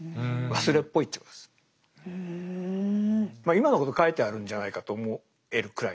今のこと書いてあるんじゃないかと思えるくらいです。